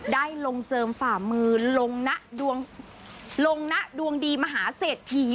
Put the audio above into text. ได้ลงเจิมฝ่ามือลงนะลงนะดวงดีมหาเศรษฐี